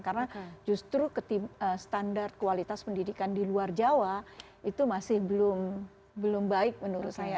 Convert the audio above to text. karena justru standar kualitas pendidikan di luar jawa itu masih belum baik menurut saya